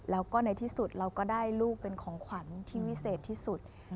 แล้วก็ในที่สุดเราก็ได้ลูกเป็นของขวัญที่วิเศษที่สุด